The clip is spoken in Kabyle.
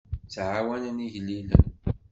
Ttɛawanen igellilen.